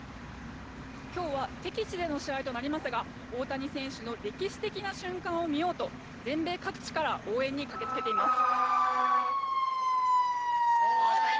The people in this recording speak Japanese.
今日は敵地での試合となりますが大谷選手の歴史的な瞬間を見ようと全米各地から応援に駆けつけています。